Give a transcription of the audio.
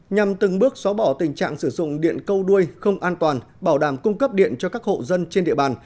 nhằm từng bước xóa bỏ tình trạng sử dụng điện câu đuôi không an toàn bảo đảm cung cấp điện cho các hộ dân trên địa bàn